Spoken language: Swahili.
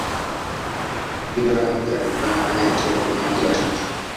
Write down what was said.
Kila mmoja alizaa nae mtoto mmoja wa kike